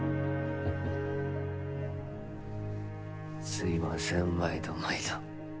すいません毎度毎度。